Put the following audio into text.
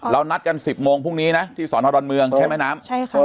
๓แล้วนัดกัน๑๐โมงพรุ่งนี้นะที่สอนธรรมดรเมืองแค่แม่น้ำใช่